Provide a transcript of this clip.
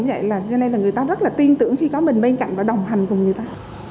về đây cũng vậy là người ta rất là tin tưởng khi có mình bên cạnh và đồng hành cùng người ta